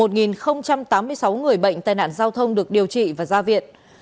một tám mươi sáu người bệnh tai nạn giao thông được điều trị và giải quyết